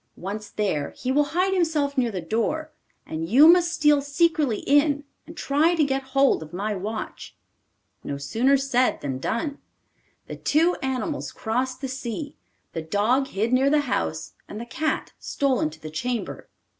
Once there, he will hide himself near the door, and you must steal secretly in and try to get hold of my watch.' No sooner said than done. The two animals crossed the sea; the dog hid near the house, and the cat stole into the chamber.